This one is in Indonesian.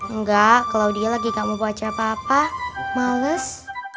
enggak kalau dia lagi gak mau baca apa apa males